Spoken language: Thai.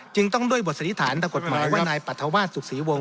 จึงต้องด้วยบทฤษฐานแต่กฎหมายว่านายปรัฐวาสศุกษีวงศ์